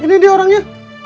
ini dia orangnya